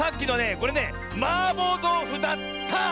これねマーボーどうふだった！